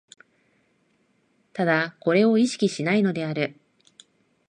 唯これを意識しないのである。